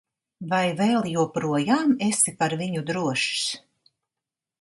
Vai vēl joprojām esi par viņu drošs?